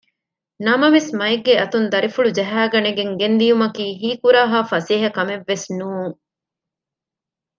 ނަމަވެސް މައެއްގެ އަތުން ދަރިފުޅު ޖަހައިގަނެގެން ގެންދިއުމަކީ ހީކުރާހާ ފަސޭހަ ކަމެއްވެސް ނޫން